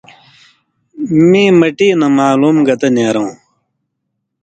مِیں مٹی نہ معلوم گتہ نېرؤں